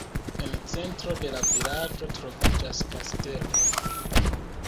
En centro de la vilaĝo troviĝas kastelo.